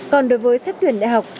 còn đối với sách tuyển đại học